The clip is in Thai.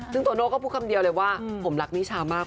ซึ่งโตโน่ก็พูดคำเดียวเลยว่าผมรักนิชามาก